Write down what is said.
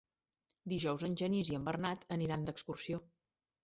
Dijous en Genís i en Bernat aniran d'excursió.